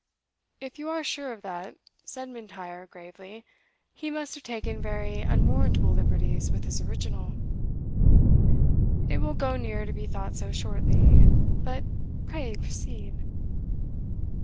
"If you are sure of that," said M'Intyre, gravely, "he must have taken very unwarrantable liberties with his original." "It will go near to be thought so shortly but pray proceed."